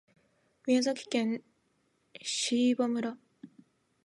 宮崎県椎葉村